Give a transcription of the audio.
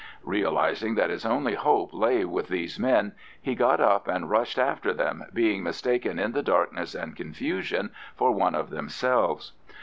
Realising that his only hope lay with these men, he got up and rushed after them, being mistaken in the darkness and confusion for one of themselves.